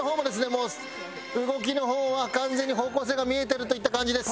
もう動きの方は完全に方向性が見えてるといった感じです。